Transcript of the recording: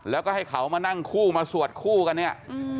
แล้วก็ให้เขามานั่งคู่มาสวดคู่กันเนี่ย